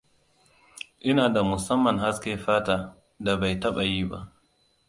Ina da musamman haske fata da bai taba yi ba.